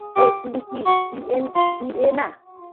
হেই, তুমি কি ডিএ না?